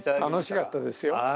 楽しかったですよ。